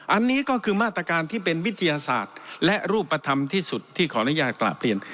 อันนี้ก็คือมาตรการที่เป็นวิทยาศาสตร์และรูปธรรมที่สุดที่ขออนุญาตกราบเรียน